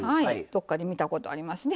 どっかで見たことありますね